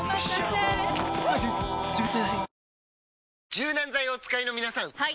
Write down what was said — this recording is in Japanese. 柔軟剤をお使いの皆さんはい！